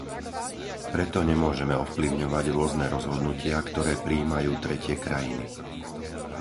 Preto nemôžeme ovplyvňovať rôzne rozhodnutia, ktoré prijímajú tretie krajiny.